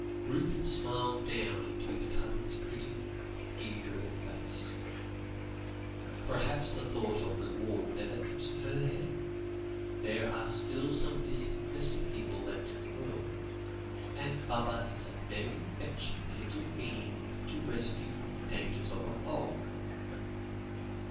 Rupert smiled down into his cousin's pretty, eager face. "Perhaps the thought of reward never entered her head? There are still some disinterested people left in the world. And Baba is a very fetching little being to rescue from the dangers of a fog."